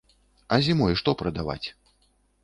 А зімой што прадаваць?